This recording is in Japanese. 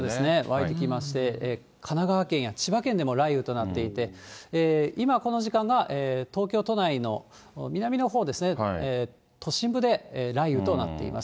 湧いてきまして、神奈川県や千葉県でも雷雨となっていて、今、この時間が東京都内の南のほうですね、都心部で雷雨となっています。